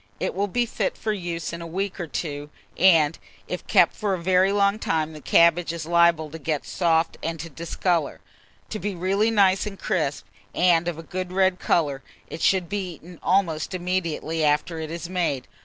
It will be fit for use in a week or two, and, if kept for a very long time, the cabbage is liable get soft and to discolour. To be really nice and crisp, and of a good red colour, it should be eaten almost immediately after it is made.